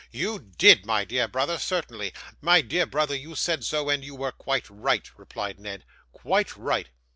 'You did, my dear brother; certainly, my dear brother, you said so, and you were quite right,' replied Ned. 'Quite right.